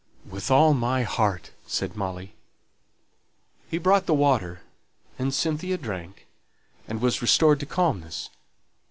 "With all my heart," said Molly. He brought the water, and Cynthia drank, and was restored to calmness.